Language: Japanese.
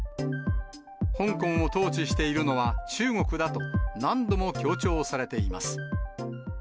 香港を統治しているのは中国だと、何度も強調されています。